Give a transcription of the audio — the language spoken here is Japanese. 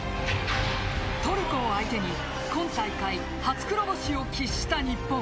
トルコを相手に今大会、初黒星を喫した日本。